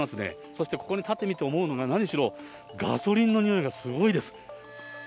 そしてここに立ってみて思うのが、何しろガソリンの臭いがすごいです。